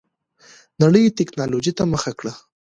نړۍ ټيکنالوجۍ ته مخه کړه.